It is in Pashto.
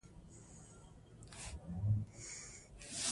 هغه وویل چې بیرغچی سخت زخمي سو.